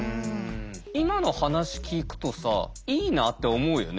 今の話聞くとさいいなって思うよね。